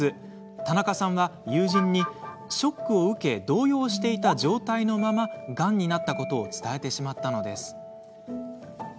田中さんは友人にショックを受け動揺していた状態のままがんになったことを伝えてしまったのです。